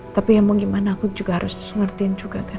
tapi emang gimana aku juga harus ngertiin juga kan